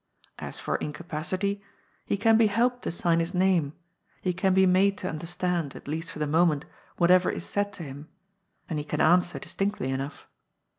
As for incapacity, he can be helped to sign his name; he can be made to understand, at least for the moment, what ever is said to him ; and he can answer distinctly enough.